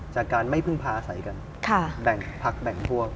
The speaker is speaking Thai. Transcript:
จากการไม่พึ่งพาอาศัยกันแบ่งพักแบ่งพวก